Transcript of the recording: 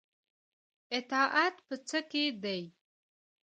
اطاعت په څه کې دی؟